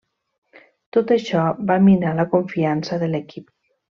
Tot això va minar la confiança de l'equip.